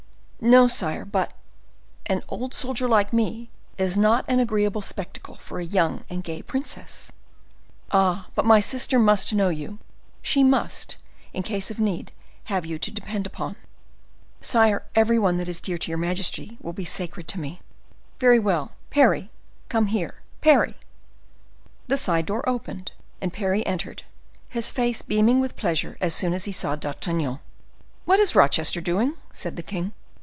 "No, sire, but—an old soldier like me is not an agreeable spectacle for a young and gay princess." "Ah! but my sister must know you; she must in case of need have you to depend upon." "Sire, every one that is dear to your majesty will be sacred to me." "Very well!—Parry! Come here, Parry!" The side door opened and Parry entered, his face beaming with pleasure as soon as he saw D'Artagnan. "What is Rochester doing?" said the king.